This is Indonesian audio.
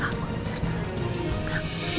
saya takut mir